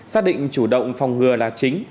xác định chủ động phòng ngừa là chính